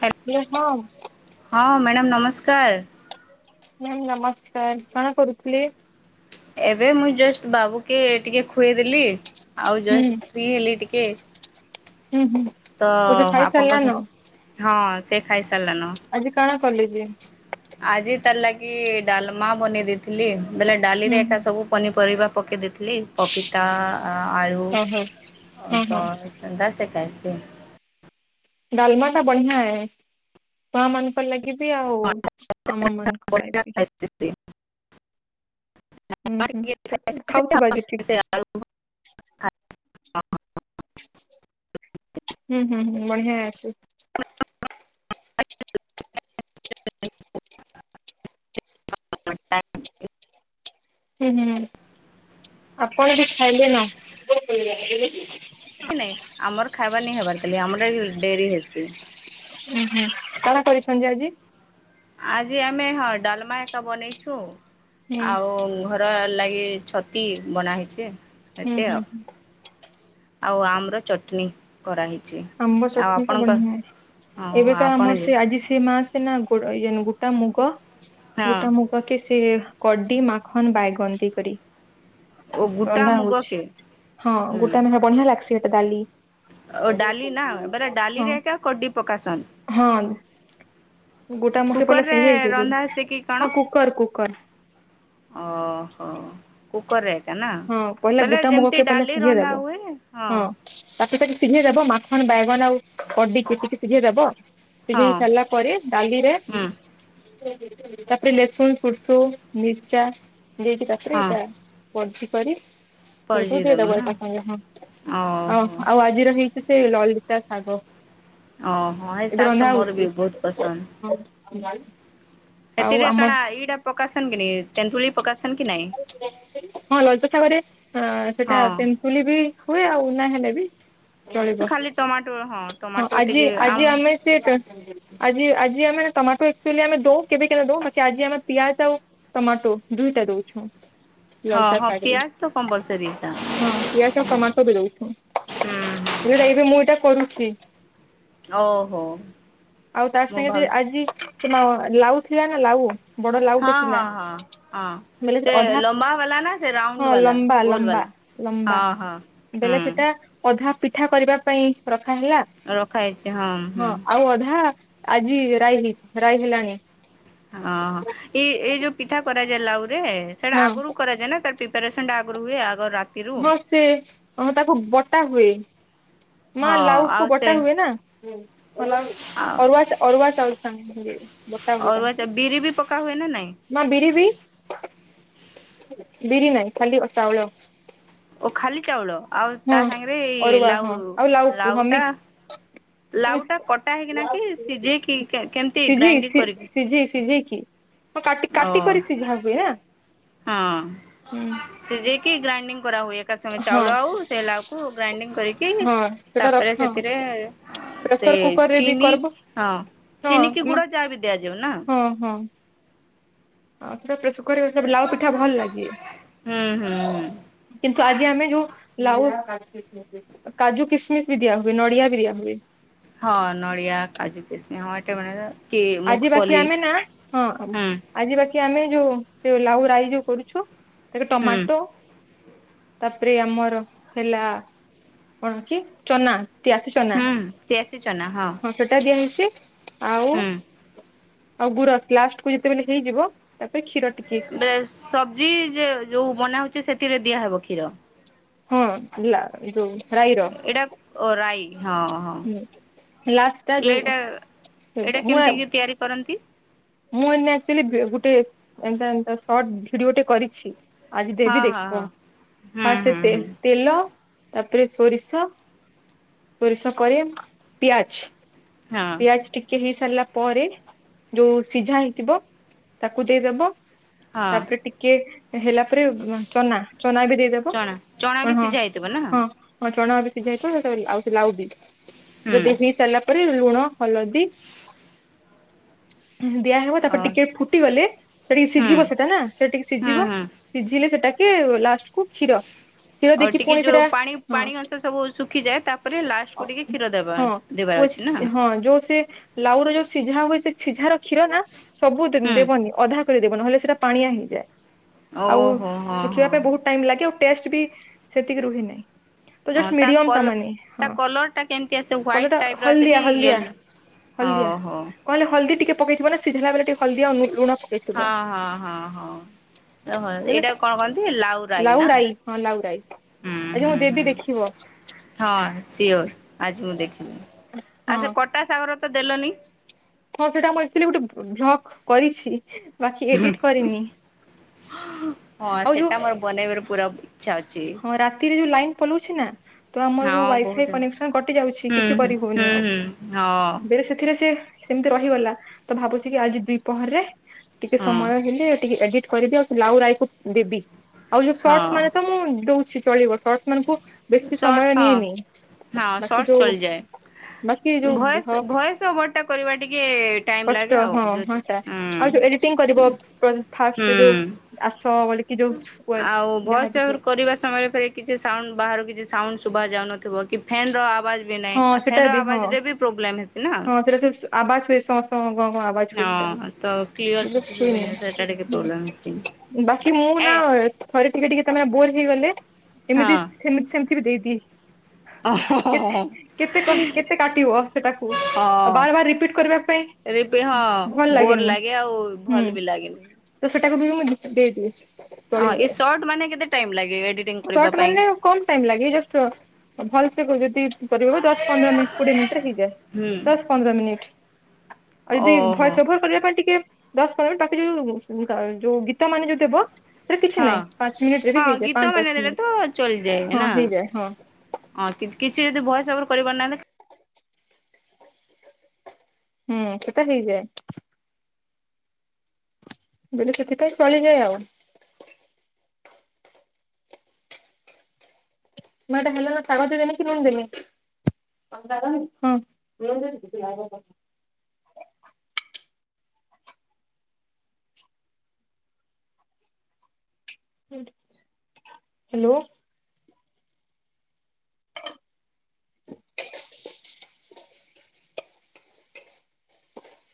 Hello ହଁ madam ନମସ୍କାର। Ma'am ନମସ୍କାର କଣ କରୁଥିଲେ? ଏବେ ମୁଁ ଜଷ୍ଟ ବାବୁକେ ଟିକେ ଖୁଏଇଦେଲି ଆଉ ହୁଁ ଜଷ୍ଟ ଫ୍ରି ହେଲି ଟିକେ। ହୁଁ ହୁଁ ତ ଗୋଟେ ଖାଇସାରିଲାନ ଆପଣଙ୍କ ହଁ ସେ ଖାଇସାଇଲାନ। ଆଜି କାଣା କଲି ଯେ? ଆଜି ତାର ଲାଗି ଡାଲମା ବନେଇ ଦେଇଥିଲି ବେଲେ ହୁଁ ଡାଲିରେ ହୁଁ କୁ ପନିପରିବା ପକେଇ ଦେଇଥିଲି ପପିତା, ଆଳୁ ଓହୋ ହଁ ହଁ ତ ଏନ୍ଦା ସେ ଖାଇସି। ଡଲମାଟା ବଢିଆ ଏଁ ଛୁଆ ମାନ ଆ ଲାଗିବି ଆଉ ଆମ ମାନଙ୍କ ପାଇବି। ତି ତି। ଉଁ ହୁଁ ଖାଉଥିବା ଜେ ତିକସ। [unintelligible] ହୁଁ ହୁଁ ହୁଁ ବଢିଆ ଅସି। [unintelligible] [unintelligible] ହୁଁ ହୁଁ ଆପଣ ଯେ ଖାଇଲେ ନା। ନାଇଁ ଆମର ଖାଇବା ନି ହେବାର ତିଲି ଆମର ଡେରି ହେସି। ଉ ହୁଁ କଣା କରିଛନ୍ତି ଆଜି। ଆଜି ଆମେ ହଁ ଡାଲମା ଏକା ବନେଇଛୁ ହୁଁ ଆଉ ଘ ର ଲାଗି ଛତି ବନା ହେଇଚେ ହୁଁ ଏତେ ହୁଁ ଆଉ। ଆଉ ଆମ ର ଚଟନି। କରାହେଇଚି। ଆମ୍ବ ଚଟନି ତ ବଢିଆ ଆଉ ଏବେତ ଆପଣ ଆମର ଯେ ସେ ଆଜି ସେ ମାସ୍ ସେନା ଗୋଡ ଏଇଜା ଗୋଟା ମୁଗ ହଁ ଗୋଟା ମୁ ପକେ ସେ କଡି ମାଖନ୍ ବାଇଗନ୍ତି କରି। ଓ ଗୁଟା ରନ୍ଧା ମୁଗ ହୋଉଛି କେ ହଁ ହୁଁ ଗୋଟା ମଖା ବଢିଆ ଲାଗ୍ସି ଗୋଟେ ଡାଲି। ଓ ଡାଲି ନା ଏବେରା ହଁ ଡାଲିରେ ଏକା କୋଡି ପକାସନ୍। ହଁ ଗୋଟା ମୁଖେ ପଲେ କୁକରରେ ସିଝେଇଯିବ ରନ୍ଧା ହେସି କି ହଁ କୁକର୍ କୁକର୍। ଅହୋ। କୁକର୍ ରେଟା ନା ହଁ ପହିଲା ବେଲେ ଗୋଟା ଯେମ୍ତି ଡାଲି ରନ୍ଧା ହୁଏ ହଁ। ତାକେପକି ସିଝେଇ ଦବ ମାଖନ୍ ବାଇଗନ୍ ଆଉ କଡିିକି କିତିିକି ଶିଝେଇ ଦବ। ହଁ ସିଝେଇ ସାରିଲା ପରେ ଡାଲିରେ ହୁଁ ତାପରେ ଲେସୁନ୍ ସୋର୍ସୁ ମିର୍ଚା ଦେଇକି ତାପରେ ହଁ। ଏଟା ବଝି କରି ସେ ସବୁ ପରଜି ଦମୁ ଦେଇଦବ ନା ଏକାସଙ୍ଗେ ହଁ ଓହୋ ଆଉ ଆଜିର ହେଇ ସେ ଲଲିତା ସାଗ। ଓହୋ ଏଇ ଶାଗ୍ ତ ମୋର୍ ବି ବୋହୁତ୍ ପସନ୍ଦ୍। [unintelligible] ଆଉ ହେଥିରେ ଥ ଆମ କଣା ଏଇଟା ପକାସନ୍ କି ନାଇ ତେନ୍ତୁଳି ପକାସନ୍ କି ନାଇ? ରଜସାଗରେ ଆଁ ସେଇଟା ପେୁଲି ବି ହୁଏ ଆଉ ନା ହେଲେ ବି ଚଳିବ ଖାଲି ଟମାଟୋ ହଁ ଟମାଟୋ ଆଜି ଟିକେ ଆମ ଆଜି ଆମେ ସିଏ ଆଜି ଆଜି ଆମେ ଟମାଟୋ ଆକ୍ଚୁଲି ଆମେ ଦୋଉ କେବେ କେବେ ଦୋଉ ବାକି ଆଜି ଆମେ ପିଆଜ ଆଉ ଟମାଟୋ ଦୁଇଟା ଦୋଉଛୁ। ହଁ ହଁ ପିଆଜ ତ କମ୍ବଲ୍ ସରୀ। ହଁ ପିଆଜ ଟମାଟୋ ବି ଦୋଉଛୁ ହୁଁ ହେଲେ ଏବେ ମୁଁ ଏଇଟା କରୁଛି। ଓହୋ ଆଉ ତା ମୁଁ ସାଙ୍ଗେ ଭାବ ବି ଆଜି ଲାଉ ଥିଲା ନା ଲାଉ? ବଡ ଲାଉଟେ ହଁ ଥିଲା ବେଲେ ଅଧା ମ୍ବା ବାଲା ନା ସେରା ହଁ ଲମ୍ବା ଲମ୍ବା ଲମ୍ବା ହଁ ବେଲେ ସେଟା ହୁଁ ଅଧା ପିଠା କରିବା ପାଇଁ ରଖା ହେଲା ରଖାହେଇଛି ହୁଁ ହଁ ଆଉ ଅଧା ଆଜି ରାଇ ହେଇ ରାଇ ହେଲାନି। ହଁ ଏଇ ଏଇ ଯୋଉ ପିଠା କରାଯାଏ ଲାଉ ରେ ସେଇଟା ହଁ ଆଗରୁ କରାଯାଏ ନା ତା ପ୍ରିପାରେସନ୍ ଟା ଆଗରୁ ହୁଏ ଆଗ ରାତିରୁ। ହଁ ସେ ତାକୁ ଅଁ ତାକୁ ବଟା ହୁଏ। ମା ହଁ ଲାଉ କୁ ଆଉ ସେ ବଟା ହୁଏ ନା ଆଉ ଅରୁଆ ଚା ଅରୁଆ ଚାଉଳ ସାଙ୍ଗେ ବତା ହୁଏ ଅରୁଆ ଚା ତାଙ୍କୁ। ବିରି ବି ପକା ହୁଏ ନା ନାଇଁ? ମା ବିରି ବି ବିରି ନାଇଁ ଖାଲି ଚାଉଳ। ଓ ଖାଲି ଚାଉଳ ଆଉ ତା ହଁ ସାଙ୍ଗେରେ ଅରୁଆ ଲାଉ, ହଁ ଆଉ ଲାଉକୁ ଲାଉ ହଁ ଟା ମିକ୍ସ ଲାଉ ଟା କଟା ହେଇକିନା କି ମିକ୍ସ ସିଝେଇକି କେମ୍ତି ସିଝେଇ ଗ୍ରାଇଣ୍ଡିଙ୍ଗ୍ କରିକି? ସିଝେଇ ସିଝେଇକି ହଁ କାଟି ଓ କାଟି କରି ସିଝା ହୁଏ ନା ହୁଁ। ସିଜେଇକି ଗ୍ରାଇଡିଂ କରା ହଏ। କା ସଙ୍ଗେ ହଁ ଚାଉଳ ଆଉ ସେ ହେଲାକୁ ଗ୍ରାଇଣ୍ଡିଙ୍ଗ କରିକି ହଁ ସେଟା ତାପରେ ରଖ ସେଥିରେ ସେ ପ୍ରେସର କୁକର ରେ ବି ଚିନି କରିବ ହଁ ହଁ ଚିନି କି ଗୁଡା ଯାହା ବି ଦିଆଯାଉ ନାଁ। ହଁ ହଁ। ହଁ ସେଟା ପୁରା ଶୁଖରେ ଲାଉ ପିଠା ଭଲ୍ ଲାଗେ। ହୁଁ ହୁଁ ହୁଁ। କିନ୍ତୁ ଆଜି ଆମେ ଯୋଉ ଲାଉ କାଜୁ କିସ୍ମିସ୍ ବି ଦିଆ ହୁଏ ନଡିଆ ବି ଦିଆ ହୁଏ। ହଁ ନଡ଼ିଆ କାଜୁ କିସ୍ ହଁ ଏଇଟା ମାନେ ଆଜି ବାକି ଆମେ ନା ହଁ। ହୁଁ ଆଜି ବାକି ଆମେ ଯୋଉ ସେ ଲାଉ ରାଇ ଯୋଉ କରୁଛୁ ତାରେ ହୁଁ। ଟମାଟୋ। ତାପରେ ଆମର ହେଲା କଣ କି ଚନା। ହୁଁ ତେଆଶୀ ଚନା ହଁ। ଚଟା ଦିଆ ହେଇଛି ଆଉ। ଉଁ। ଆଉ ଗୁର୍ ଲାଷ୍ଟ କୁ ଯେତେବେଲେ ହେଇଯିବ ତାପରେ କ୍ଷୀର ଟିକେ। ବେ ସବଜି ଯେ ଯଉ ବନାହଉଛି ସେଥିରେ ଦିଆହବ କ୍ଷୀର। ହଁ ଲା ଯଉ ରାଇର। ଏଇଟା ଓ ରାଇ ହଁ ହଁ। ହୁଁ ଲାଷ୍ଟ ଟା ହେଲେ ଯୋଉ ଏଇଟା ଏଇଟା ମୁଁ କେମିତି କି ତିଆରି କରନ୍ତି? ମୁଁ ଏଇନେ ଆକଚୁଲି ବେ ଗୋଟେ ଏନ୍ତା ଆନ୍ତ ଶର୍ଟ ଭିଡିଓ ଟେ କରିଛି। ଆଜି ହଁ ଦେବି ହଁ ହଁ ଦେଖିବ ହୁଁ ହଁ ସେ ହୁଁ ତେଲ ହୁଁ ତେଲ। ତାପରେ ସୋରିଷ ସୋରିଷ କରେ ପିଆଜ। ହଁ। ଜଷ୍ଟ ଟିକେ ହେଇ ସାରିଲା ପରେ ଯୋଉ ସିଝା ହେଇଥିବ ତାକୁ ଦେଇଦବ। ହଁ ତାପରେ ଟିକେ ହେଲା ପରେ ଉଁ ଚନା ଚନା ବି ଦେଇ ଚଣା ଚଣା ବି ସିଝା ହେଇଥିବ ନା। ହଁ ଚଣା ବି ସିଝା ହେଇଥିବ ଏ ସରି ଆଉ ସେ ଲାଉ ବି ହୁଁ ଯଦି ହେଇ ସାରିଲା ପରେ ଲୁଣ। ହଲଦୀ ହୁଁ ହୁଁ ଦିଆହବ ଅ ତାପରେ ଟିକେ ଫୁଟିଗଲେ। ସେ ଟିକେ ହୁଁ ସିଝିବ ସେଟା ନା ସେ ଟିକେ ହୁଁ ସିଝିବ ହୁଁ ସିଝିଲେ ସେଟାକେ ଲାଷ୍ଟ କୁ କ୍ଷୀର। କ୍ଷୀର ଆଉ ଦେଇକି ଟିକେ ପୁଣି ଯୋଉ ସେଟା ପାଣି ହଁ ପାଣି ଅଂଶ ସବୁ ଶୁଖିଯାଏ ତାପରେ ଲାଷ୍ଟକୁୁ ଟିକେ କ୍ଷୀର ଦେବା ହଁ ପୁଅ ଦେବାର ଅଛି ନା। ହଁ ଯୋଉ ସେ ଲାଉ ର ଯୋଉ ସିଝା ହୁଏ ସେ ସିଝାର କ୍ଷୀର ନା ସବୁ ହୁଁ ଦେ-ଦେବନି ଅଧା। କରିଦେବ ନହେଲେ ସେଇଟା ପାଣିଆ ହେଇଯାଏ ଆଉ ଓହୋ ହଁ ଶୁଖିବା ପାଇଁ ହଁ ବହୁ ଟାଇମ ଲାଗେ ଆଉ ଟେଷ୍ଟ ବି ସେତିକି ରୁହି ନାହିଁ। ତ ହଁ ଜଷ୍ଟ ମିଡିୟମ ତା କଲ ମାନେ ହଁ ତା କଲର ଟା କେମିତି ଆସେ କଲର ହ୍ୱାଇଟ୍ ଟାଇପ ଟା ର ଆସେ କି ହଳଦିଆ ହଳଦିଆ। ୟେଲୋ ହଳଦିଆ ଓହୋ କଣ ହେଲେ ହଳଦୀ ଟିକେ ପକେଇଥିବ ନା ସିଝିଲା ବେଳେ ଟିକେ ହଳଦିଆ ନୁ ଲୁଣ ପକେଇ ହଁ ହଁ ହଁ ହଁ। ଓହୋ ବୁଝିଲେ ଏଇଟାକୁ କଣ କହନ୍ତି? ଲାଉରାଇ ନା। ହୁଁ ଆଜି ହୁଁ ମୁଁ ହୁଁ। ଦେବି ଦେଖିବ। ହଁ ସିଓର ଆଜି ମୁଁ ଦେଖିଲି ହଁ ଆଉ ସେ କଟା ସାଗର ତ ଦେଲନି। ହଁ ସେଟା ମୁଁ ଆକଚୁଲି ଗୋଟେ ଭ୍ଲଗ କରିଛି ବାକି ଏଡିଟ କରିନି। ହଁ ଆଉ ଯୋଉ ସେଟା ମୋର ବନେଇବାର ପୁରା ଇଚ୍ଛା ଅଛି ହଁ ରାତିରେ ଯୋଉ ଲାଇନ ପଲଉଛି ନା। ତ ଆମର ଯୋଉ ହଁ ୱାଇଫାଇ ବହୁତ କନେକ୍ସନ କଟି ଯାଉଛି ହୁଁ କିଛି ହୁଁ କରି ହଉନି ହୁଁ ଆଉ ହୁଁ ହଁ ବେଳେ ସେଥିରେ ସିଏ। ସେମିତି ରହିଗଲା ତ ଭାବୁଛି କି ଆଜି ଦି ପହରରେ ଟିକେ ହଁ ସମୟ ହେଲେ ଟିକେ ଏଡିଟ୍ କରିଦିଅ। ଲାଉ ରାଇ କୁ ଦେବି ଆଉ ଯୋଉ ସର୍ଟସ ହଁ ମାନେ ତ ମୁଁ ଦଉଛି ଚଳିବ। ସର୍ଟସ ମାନଙ୍କୁ ବେଶୀ ସର୍ଟସ ସମୟ ହଁ ନିଏନି ହଁ ବାକି ସର୍ଟସ ଯୋଉ। ଚଳିଯାଏ ବାକି ଯୋଉ ଭଏସ୍ ଭ [unintelligible] ଟା କରିବା ଟିକେ। ଟାଇମ୍ ଲାଗେ କଷ୍ଟ ଆଉ ହଁ ଯଦି ହଁ ଟା ହୁଁ ଆଉ ଯୋଉ ଏଡିଟିଂ କରିବ ପ ଫାର୍ଷ୍ଟ ହୁଁ। ଯୋଉ ଆସ ବୋଲି। ଆଉ ଭଏସ ର କରିବା ସମୟରେ ବି। କିଛି ସାଉଣ୍ଡ ବାହାରୁ କିଛି ସାଉଣ୍ଡ ଶୁଭା ଯାଉନଥିବ କି ଫ୍ୟାନ ର ଆବାଜ। ବି ନାଇ ହଁ ଆ ଫ୍ୟାନର ଆବାଜ ରେ ବି ପ୍ରୋବ୍ଲେମ ହେସି ନା। ଏଥିରେ [unintelligible] ଆବାଜ ହୁଏ ସମସ୍ତଙ୍କ କଣ କଣ ଆ ସମ ତ କ୍ଲିଅର ପଛା ମ କିଛି ଶୁଭେନି ସେଟା ଟିକେ ସେନ ପ୍ରୋବ୍ଲେମ ହେସି [inaudible] ବାକି ମୁଁ ଏ ନା ଥରେ ଟିକେ ଟିକେ ତମେ ବୋର ହେଇଗଲେ ଏମିତି ହଁ। ସେମିତି ସେମିତି ବି ଦେଇଦିଏ। ଓ ହ ହ ହ କେତେ ହ। କେତେ କ କେତେ କାଟିବ ସେଟାକୁ ବାର ବାର ରିପିଟ କରିବା ପାଇଁ ରିପ ହଁ ଭଲ ବୋର ଲାଗେନି ଲାଗେ ଆଉ ହୁଁ ଭଲ ବି ଲାଗେନି ତ ସେଟାକୁ ବି ମୁଁ ଦେଇଦିଏ ହଁ ଚଳିଯାଏ। ଏ ସର୍ଟ ମାନେ କେତେ ଟାଇମ ଲାଗେ ଏଡିଟିଂ କରିବା ସଟ ପାଇଁ ମାନେ କମ ଟାଇମ ଲାଗେ ଏ ଜଉ ଟ୍ର ଭଲସେ ଯଦି କରିବ ଦଶ ପନ୍ଦର ମିନିଟ କୋଡିଏ ମିନିଟ ରେ ହେଇଯାଏ ହୁଁ ଦଶ ପନ୍ଦର ମିନିଟ ଆଉ ଯଦି ଓହୋ। ଭଏସ ଓଭର କରିବା ପାଇଁ ଟିକେ ଦଶ ପନ୍ଦର ତାକେ ଯଉ ଯଉ ଗୀତା ମାନେ ଯଉ ଦେବ ସେଟା କିଛି ହଁ ନାହିଁ ପାଞ୍ଚ ମିନିଟରେ ବି ହଁ ହେଇଜାଏ ଗୀତ ପାଞ୍ଚ ମାନେ ଦସ ଦେଲେ ତ ଚଳିଯାଏ ନା ଅଁ କିଛି ଯଦି ଭଏସ ଓଭର କରି ପାରୁନାହାଁନ୍ତି ହୁଁ ସେଟା ହେଇଯାଏ। ବୋଇଲେ ସେଥିପାଇଁ ଚଳିଯାଏ ଆଉ। ମାଡାମ ହେଲେତ ତାକତିରେ ଏମିତି ରୁହନ୍ତିନି? ଆରାମ ଆ [inaudible] ହ୍ୟାଲୋ।